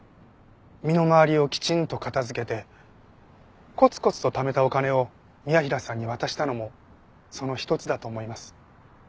身の回りをきちんと片づけてコツコツとためたお金を宮平さんに渡したのもその一つだと思います。